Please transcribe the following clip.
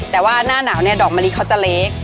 แต่ว่าหน้าหนาวเนี่ยดอกมะลิเขาจะเล็ก